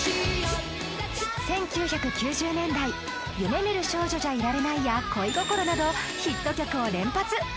１９９０年代「夢見る少女じゃいられない」や「恋心」などヒット曲を連発！